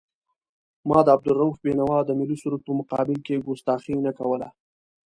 ما د عبدالرؤف بېنوا د ملي سرود په مقابل کې کستاخي نه کوله.